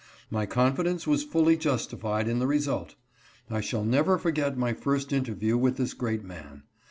My confidence was fully justified in the result. I shall never forget my first interview with this great man.